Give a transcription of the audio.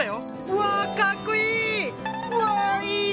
うわかっこいい！